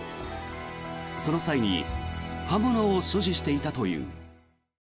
その際に刃物を所持していたという。